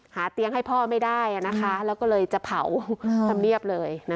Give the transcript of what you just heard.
หาเตี๊ยงให้พ่อไม่ได้นะคะแล้วก็เลยจะเผาทำเนียบเลยนะคะ